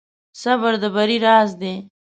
صبر د بری راز دی.